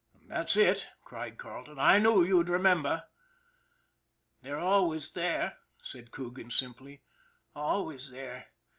" That's it," cried Carleton. " I knew you'd remem ber." " They're always there," said Coogan simply, " al ways there.